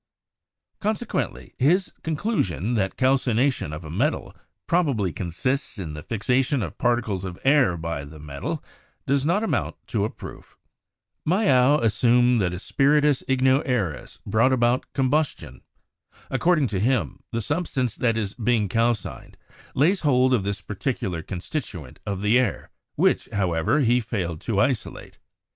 Consequently, his conclusion that calcination of a metal probably consists in the fixation of particles of air by the metal, does not amount to a proof. Mayow assumed that a "spiritus igno aereus" brought about combustion. According to him, the substance that is being calcined lays hold of this particular constituent of the air, which, however, he failed to isolate.